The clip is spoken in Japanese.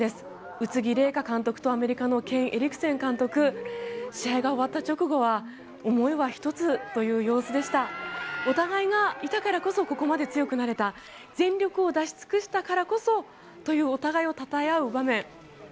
宇津木麗華監督とアメリカのケン・エリクセン監督試合が終わった直後は思いは一つという様子でしたお互いがいたからこそここまで強くなれた全力を出し尽くしたからこそというこの場面。